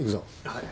はい。